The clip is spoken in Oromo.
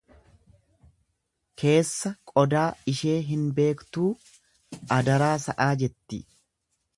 Keessa qodaa ishee hin beektuu adaraa sa'aa jetti.